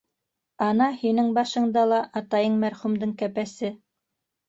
Ана һинең башыңда ла атайың мәрхүмдең кәпәсе.